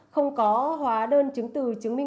không có hóa đơn chứng từ chứng minh